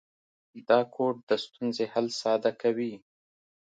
دا کوډ د ستونزې حل ساده کوي.